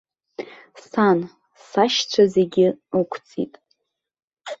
Сан, сашьцәа зегьы ықәҵит.